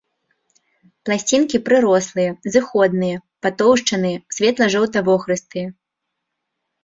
Пласцінкі прырослыя, зыходныя, патоўшчаныя, светла-жоўта-вохрыстыя.